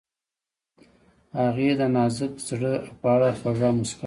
هغې د نازک زړه په اړه خوږه موسکا هم وکړه.